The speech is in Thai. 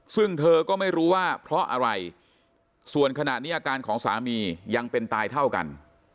ซึ่งเธอก็ไม่รู้ว่าเพราะอะไรส่วนขณะนี้อาการของสามียังเป็นตายเท่ากัน